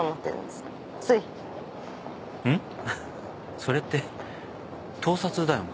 それって盗撮だよな？